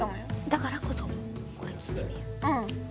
だからこそこれ聞いてみよう。